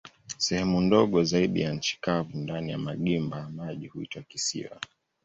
Sehemu ndogo zaidi za nchi kavu ndani ya magimba ya maji huitwa kisiwa.